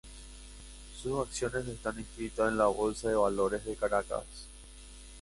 Sus acciones están inscritas en la Bolsa de Valores de Caracas.